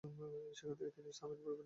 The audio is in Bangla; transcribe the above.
সেখানে তিনি সামিট গ্রুপের নেতৃত্ব দেন।